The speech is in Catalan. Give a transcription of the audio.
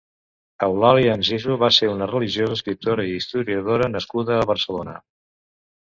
Eulàlia Anzizu va ser una religiosa, escriptora i historiadora nascuda a Barcelona.